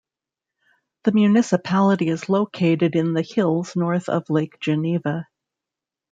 The municipality is located in the hills north of Lake Geneva.